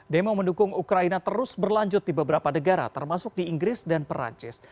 demo mendukung ukraina terus berlanjut di beberapa negara termasuk di inggris dan perancis